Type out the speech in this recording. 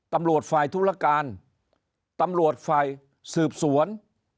ตำรวจฝ่ายธุรการตำรวจฝ่ายสืบสวน